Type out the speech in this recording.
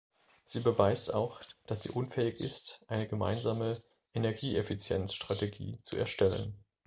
Sie beweist auch, dass sie unfähig ist, eine gemeinsame Energieeffizienz-Strategie zu erstellen.